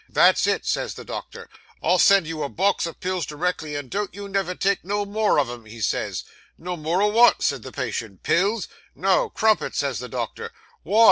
"That's it!" says the doctor. "I'll send you a box of pills directly, and don't you never take no more of 'em," he says. "No more o' wot?" says the patient "pills?" "No; crumpets," says the doctor. "Wy?"